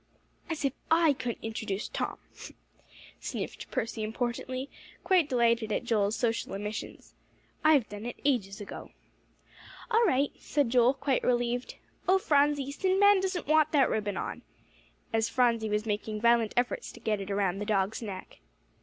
"As if I couldn't introduce Tom!" sniffed Percy importantly, quite delighted at Joel's social omissions. "I've done it ages ago." "All right," said Joel, quite relieved. "Oh Phronsie, Sinbad doesn't want that ribbon on," as Phronsie was making violent efforts to get it around the dog's neck.